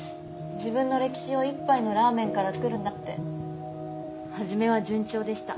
自分の歴史を１杯のラーメンから作るんだって初めは順調でした。